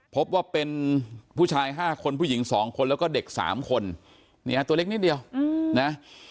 พบว่าเป็นผู้ชาย๕คนผู้หญิง๒คนแล้วก็เด็ก๓คนเนี่ยตัวเล็กนิดเดียวนะ